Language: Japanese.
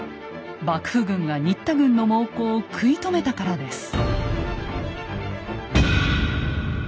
幕府軍が新田軍の猛攻を食い止めたからです。